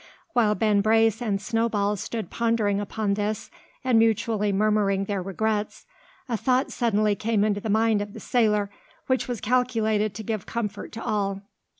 While Ben Brace and Snowball stood pondering upon this, and mutually murmuring their regrets, a thought suddenly came into the mind of the sailor which was calculated to give comfort to all.